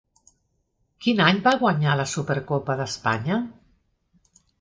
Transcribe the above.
Quin any va guanyar la Supercopa d'Espanya?